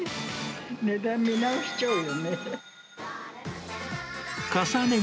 値段、見直しちゃうよね。